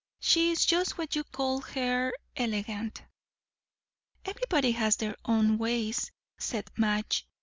She is just what you called her elegant." "Everybody has their own ways," said Madge.